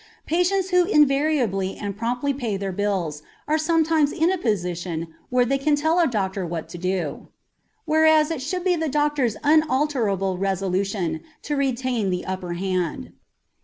Patients who invariably and promptly pay their bills are sometimes in a position where they can tell a doctor what to do; whereas it should be the doctor's unalterable resolution to retain the upper hand.